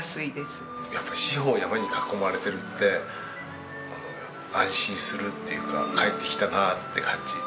やっぱ四方山に囲まれてるって安心するっていうか帰ってきたなあって感じ。